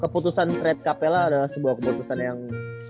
keputusan trade kapel lah adalah sebuah keputusan yang